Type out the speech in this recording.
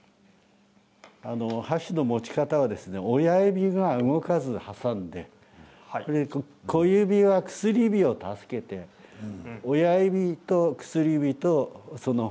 箸の持ち方は親指は動かさず挟んで小指は薬指を助けて親指と薬指と。